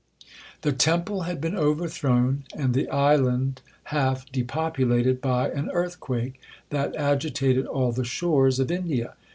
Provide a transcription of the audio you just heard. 'The temple had been overthrown, and the island half depopulated, by an earthquake, that agitated all the shores of India.